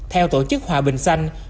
theo tổ chức hòa bình xanh